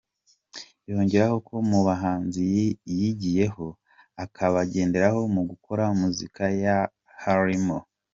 Yongeraho ko mu bahanzi yigiyeho, akabagenderaho mu gukora muzika ye harimo R.